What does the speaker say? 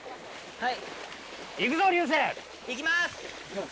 はい！